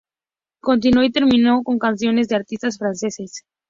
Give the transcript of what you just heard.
Continuó y terminó con canciones de artistas franceses.